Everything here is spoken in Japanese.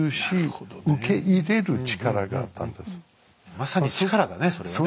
まさに力だねそれはね。